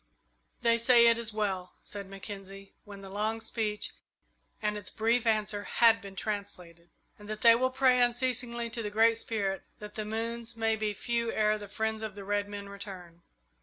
"They say it is well," said Mackenzie, when the long speech and its brief answer had been translated; "and that they will pray unceasingly to the Great Spirit that the moons may be few ere the friends of the red men return."